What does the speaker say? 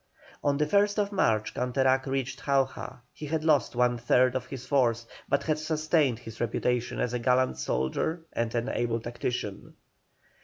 On the 1st March Canterac reached Jauja; he had lost one third of his force, but had sustained his reputation as a gallant soldier and an able tactician.